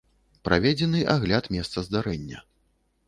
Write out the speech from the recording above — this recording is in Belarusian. Праведзены агляд месца здарэння.